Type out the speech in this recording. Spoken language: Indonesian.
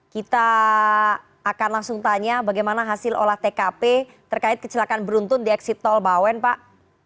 kita akan langsung tanya bagaimana hasil olah tkp terkait kecelakaan beruntun di eksit tol bawen pak